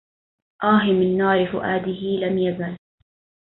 آه من نار فؤآده لم يزل